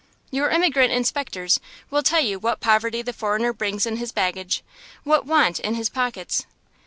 Your immigrant inspectors will tell you what poverty the foreigner brings in his baggage, what want in his pockets.